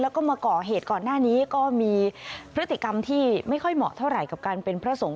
แล้วก็มาก่อเหตุก่อนหน้านี้ก็มีพฤติกรรมที่ไม่ค่อยเหมาะเท่าไหร่กับการเป็นพระสงฆ